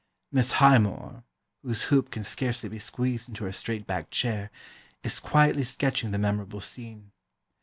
Miss Highmore, whose hoop can scarcely be squeezed into her straight backed chair, is quietly sketching the memorable scene.